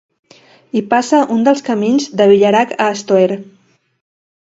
Hi passa un dels camins de Villerac a Estoer.